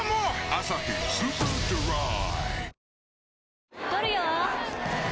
「アサヒスーパードライ」